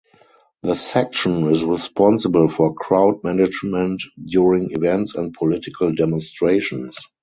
The Section is responsible for crowd management during events and political demonstrations.